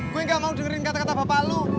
gue nggak mau dengerin kata kata bapak lo